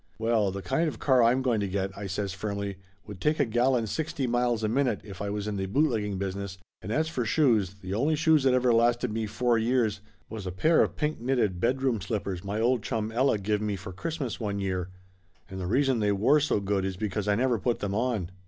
"Well, the kind of car I'm going to get," I says firmly, "would take a gallon sixty miles a minute if I was in the bootlegging business, and as for shoes, the only shoes that ever lasted me four years was a pair of pink knitted bedroom slippers my old chum Ella give me for Christmas one year, and the reason they wore so good is because I never put them on.